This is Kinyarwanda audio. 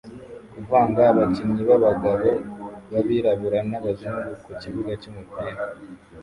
Kuvanga abakinyi b'abagabo b'abirabura n'abazungu ku kibuga cy'umupira